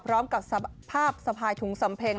พร้อมกับภาพสะพายถุงสำเพ็ง